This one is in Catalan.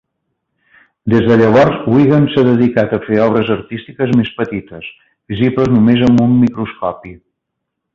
Des de llavors, Wigan s"ha dedicat a fer obres artístiques més petites, visibles només amb un microscopi.